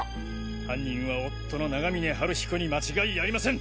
犯人は夫の永峰春彦に間違いありません！